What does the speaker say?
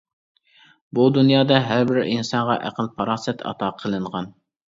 بۇ دۇنيادا ھەر بىر ئىنسانغا ئەقىل-پاراسەت ئاتا قىلىنغان.